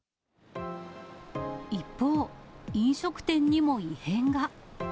一方、飲食店にも異変が。